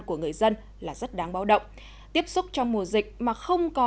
của người dân là rất đáng báo động tiếp xúc trong mùa dịch mà không có